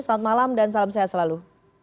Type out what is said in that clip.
selamat malam dan salam sehat selalu